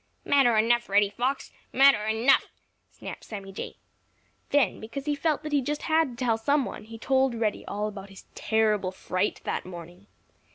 "Matter enough, Reddy Fox! Matter enough!" snapped Sammy. Then, because he felt that he just had to tell some one, he told Reddy all about his terrible fright that morning.